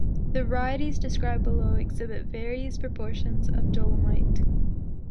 The varieties described below exhibit various proportions of dolomite.